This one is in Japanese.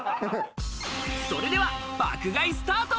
それでは爆買いスタート！